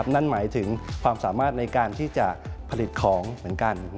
นั่นหมายถึงความสามารถในการที่จะผลิตของเหมือนกัน